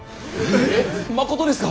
まことですか？